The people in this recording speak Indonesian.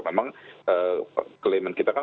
memang klaiman kita kan